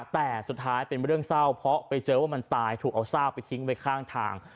แต่สุดท้ายเป็นเรื่องเศร้าเพราะไปเจอว่ามันตายถูกเอาซากไปทิ้งไว้ข้างทาง